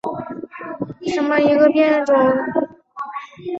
松叶鸡蛋参为桔梗科党参属下的一个变种。